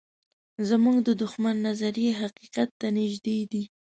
زموږ د دښمن نظریې حقیقت ته نږدې دي.